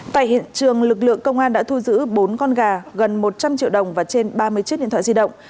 tại hiện trường lực lượng công an đã thu giữ bốn con gà gần một trăm linh triệu đồng và trên ba mươi chiếc điện thoại di động